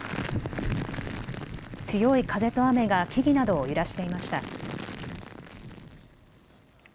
強い風と雨が木々などを揺らしていました。